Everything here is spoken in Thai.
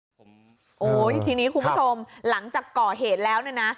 โอ้โหทีนี้คุณผู้ชมหลังจากก่อเหตุแล้วเนี่ยนะ